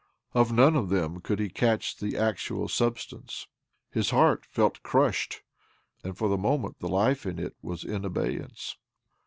Of none of them could he catch the actual substance. His heart felt crushed, and for the moment the life in it was in abeyance.